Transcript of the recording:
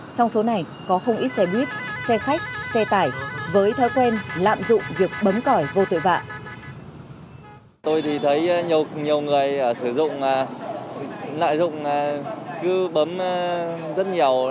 trong số này có không ít xe buýt xe khách xe tải với thói quen lạm dụng việc bấm cõi vô tội vạ